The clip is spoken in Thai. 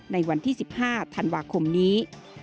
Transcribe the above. ในวันที่๑๕ธันวาคมนี้